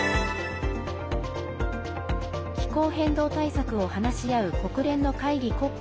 気候変動対策を話し合う国連の会議